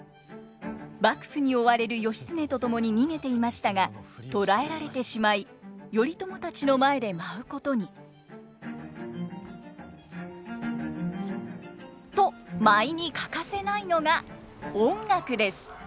幕府に追われる義経と共に逃げていましたが捕らえられてしまい頼朝たちの前で舞うことに。と舞に欠かせないのが音楽です。